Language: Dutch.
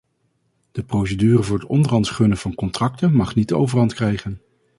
De procedure voor het onderhands gunnen van contracten mag niet de overhand krijgen.